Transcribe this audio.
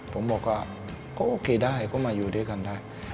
ผมบอกว่าก็โอเคได้ก็มาอยู่ด้วยกันได้